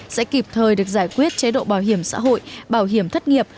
sẽ kịp thời được giải quyết chế độ bảo hiểm xã hội bảo hiểm thất nghiệp